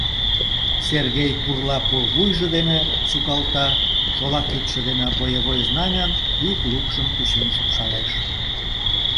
Сергей пурла пулвуйжо дене сукалта, шола кидше дене боевой знамян ик лукшым кучен шупшалеш.